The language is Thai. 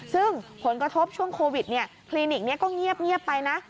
ซึ่งผลกระทบช่วงโควิดคลินิกนี้ก็เงียบไปนะ